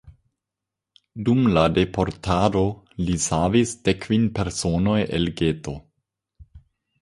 Dum la deportado li savis dekkvin personoj el geto.